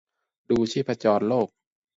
ดูชีพจรโลก